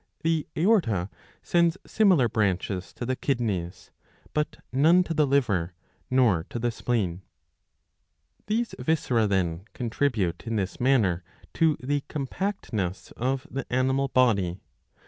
The aorta sends similar branches to the kidneys, but none to the liver nor to the spleen.^^ These viscera, then, contribute in this manner to the compact ness of the animal body.